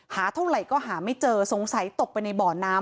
เท่าไหร่ก็หาไม่เจอสงสัยตกไปในบ่อน้ำ